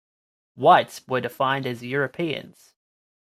"Whites" were defined as Europeans.